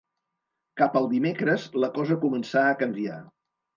Cap al dimecres, la cosa començà a canviar